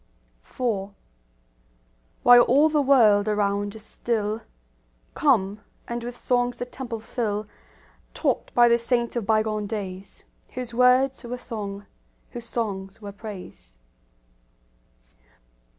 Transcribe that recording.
IV While all the world around is still, Come, and with songs the temple fill, Taught by the saints of bygone days, Whose words were song, whose songs were praise.